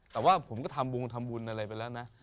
แต่ว่าผมก็ทำวงทำบุญอะไรไปแล้วนะ